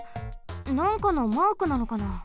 なんかのマークなのかな？